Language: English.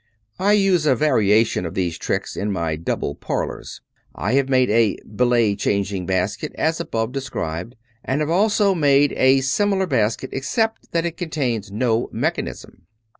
I use a variation of these tricks in my double parlors. I have made a ''billet changing basket" as above de* scribed, and have also made a similar basket except that it contains no mechanism.